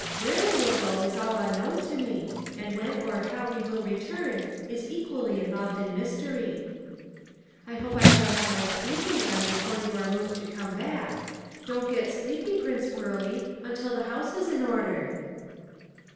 Where we will go is all unknown to me, and when or how we will return ia equally involved in mystery." 319 320 Household Puzzles, " I hope I shall have my sweeping done before you are moved to come back. Don't get sleepy, Pnnce Pearly, until the house is in order."